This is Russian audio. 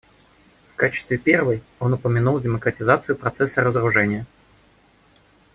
В качестве первой он упомянул демократизацию процесса разоружения.